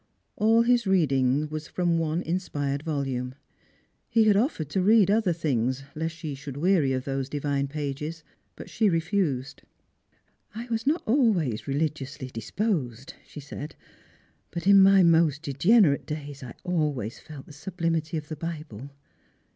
All his reading was from one inspired volume ; he had offered to read other things, lest she should weary of those divine pages, but she refused. "I was not always religiously disposed," she said; "but in my most degenerate days I always felt the sublimity of the Bible."